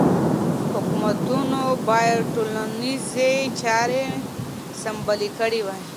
حکومتونو باید ټولنیزې چارې سمبالې کړې وای.